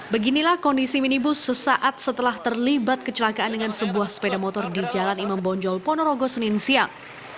beginilah kondisi minibus sesaat setelah terlibat kecelakaan dengan sebuah sepeda motor di jalan imam bonjol ponorogo senin siang